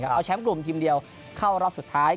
เอาแชมป์กลุ่มทีมเดียวเข้ารอบสุดท้าย